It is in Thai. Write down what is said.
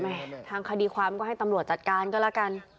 แม่ก็บอกว่าทางคดีความก็ให้ตำรวจจัดการก็แล้วกัน